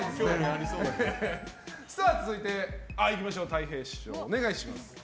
続いて、たい平師匠お願いします。